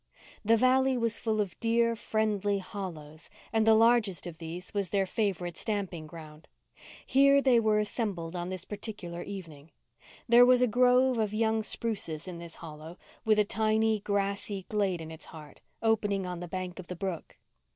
The valley was full of dear, friendly hollows and the largest of these was their favourite stamping ground. Here they were assembled on this particular evening. There was a grove of young spruces in this hollow, with a tiny, grassy glade in its heart, opening on the bank of the brook.